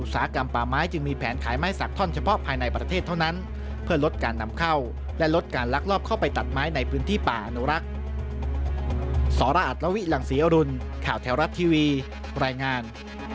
สราอัตรวิหลังศรีอรุณข่าวแถวรัฐทีวีแปรงงาน